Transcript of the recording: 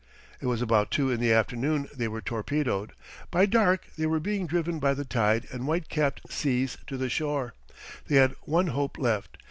It was about two in the afternoon they were torpedoed. By dark they were being driven by the tide and white capped seas to the shore. They had one hope left.